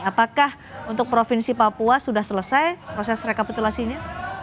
apakah untuk provinsi papua sudah selesai proses rekapitulasinya